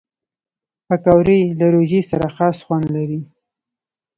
پکورې له روژې سره خاص خوند لري